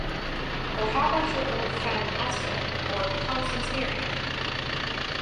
Or how about your old friend Esther — or Constance Merriam?